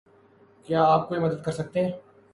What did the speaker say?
کیا آپ کوئی مدد کر سکتے ہیں؟